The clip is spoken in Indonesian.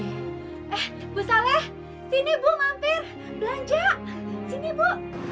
eh bu saleh sini bu mampir belanja sini bu